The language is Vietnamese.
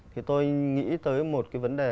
thì tôi nghĩ tới một cái vấn đề